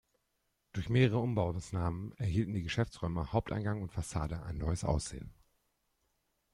Durch mehrere Umbaumaßnahmen erhielten die Geschäftsräume, Haupteingang und Fassade ein neues Aussehen.